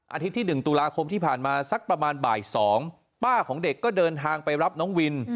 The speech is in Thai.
ที่๑ตุลาคมที่ผ่านมาสักประมาณบ่าย๒ป้าของเด็กก็เดินทางไปรับน้องวิน